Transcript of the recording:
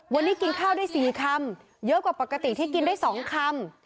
วันนี้กินข้าวได้๔คำเยอะกว่าปกติที่กินได้๒คำ